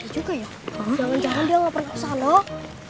jangan jangan dia nggak pernah salah